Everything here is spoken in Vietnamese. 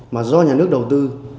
mà do nhà nước đầu tư